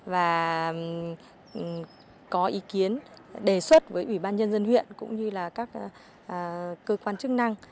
và có ý kiến đề xuất với ủy ban nhân dân huyện cũng như là các cơ quan chức năng